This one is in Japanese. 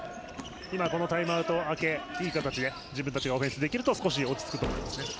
今、このタイムアウト明けいい形で自分たちがオフェンスできると少し落ち着くと思いますね。